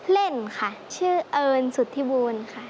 เล่นค่ะชื่อเอิญสุธิบูลค่ะ